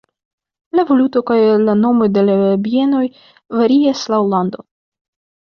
La valuto kaj la nomoj de la bienoj varias laŭ lando.